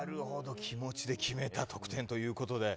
気持ちで決めた得点ということで。